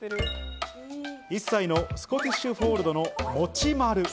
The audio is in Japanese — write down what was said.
１歳のスコティッシュフォールドのもちまる。